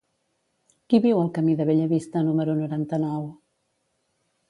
Qui viu al camí de Bellavista número noranta-nou?